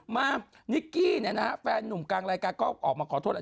มานิกกี้เนี่ยนะฮะแฟนหนุ่มกลางรายการก็ออกมาขอโทษอะไร